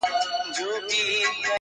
د زکندن شپو ته مي مه نیسه بخیلي سترګي٫